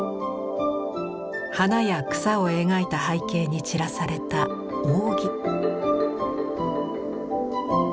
花や草を描いた背景に散らされた扇。